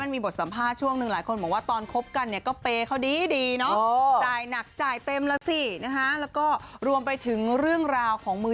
มีบทสัมภาษณ์ช่วงนึงหลายคนว่าตอนคบกันเนี่ยก็เปรย์เขาดีรักจาเติ้มและค่ะแล้วก็รวมไปถึงเรื่องราวของมือ